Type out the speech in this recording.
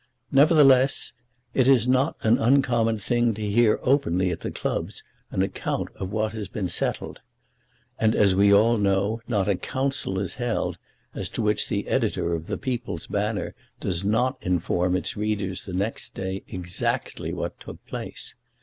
Nevertheless, it is not an uncommon thing to hear openly at the clubs an account of what has been settled; and, as we all know, not a council is held as to which the editor of The People's Banner does not inform its readers next day exactly what took place.